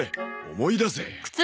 思い出せ。